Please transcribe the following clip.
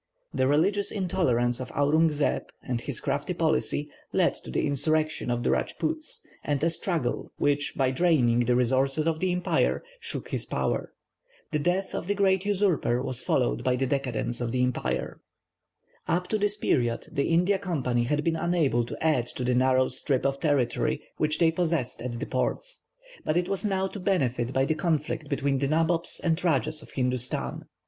The religious intolerance of Aurung Zeb, and his crafty policy, led to the insurrection of the Rajpoots, and a struggle, which by draining the resources of the empire, shook his power. The death of the great usurper was followed by the decadence of the empire. Up to this period the India Company had been unable to add to the narrow strip of territory which they possessed at the ports, but it was now to benefit by the conflict between the nabobs and rajahs of Hindustan.